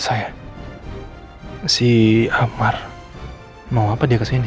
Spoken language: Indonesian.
saya ingin memberikan informasi kalau hari ini